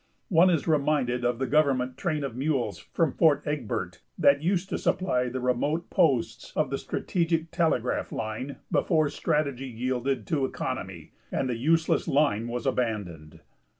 One is reminded of the government train of mules from Fort Egbert that used to supply the remote posts of the "strategic" telegraph line before strategy yielded to economy and the useless line was abandoned.